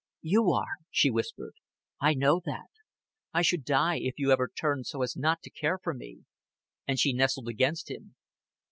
"You are," she whispered. "I know that.... I should die if you ever turned so as not to care for me;" and she nestled against him.